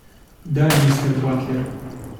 Да, мистер Батлер.